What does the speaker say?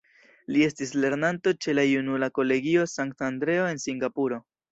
Li estis lernanto ĉe la Junula Kolegio Sankta Andreo en Singapuro.